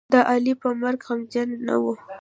د علي په مرګ غمجنـه نه وه.